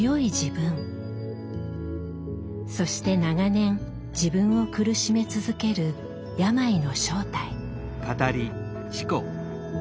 そして長年自分を苦しめ続ける病の正体。